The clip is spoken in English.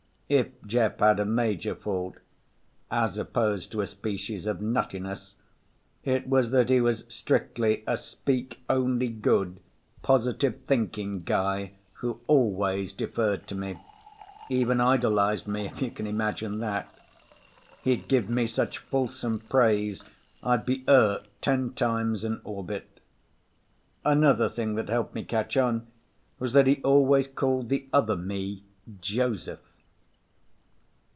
If Jeff had a major fault, as opposed to a species of nuttiness, it was that he was strictly a speak only good, positive thinking guy who always deferred to me. Even idolized me, if you can imagine that. He'd give me such fulsome praise I'd be irked ten times an orbit. Another thing that helped me catch on was that he always called the other me Joseph.